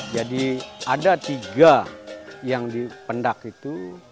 jadi ada tiga yang dipendak itu